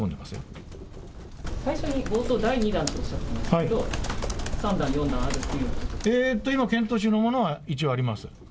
最初に冒頭、第２弾とおっしゃっていましたけど、３弾、今、検討中のものは一応あります。